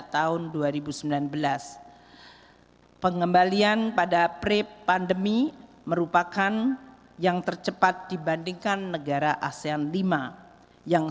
tahun dua ribu sembilan belas pengembalian pada pre pandemi merupakan yang tercepat dibandingkan negara asean lima yang